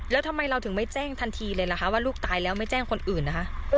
แล้วทำไมเราถึงไม่แจ้งทันทีเลยล่ะคะว่าลูกตายแล้วไม่แจ้งคนอื่นนะคะ